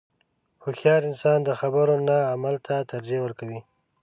• هوښیار انسان د خبرو نه عمل ته ترجیح ورکوي.